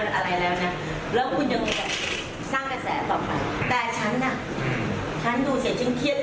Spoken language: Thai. คนฉะนับฉะนายทั้งประเทศแล้วคนมาด่าฉันถะหลงฉัน